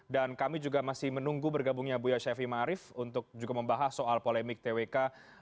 dan kami juga masih menunggu bergabungnya bu yasyafima arief untuk juga membahas soal polemik twk